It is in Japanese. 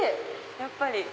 やっぱり。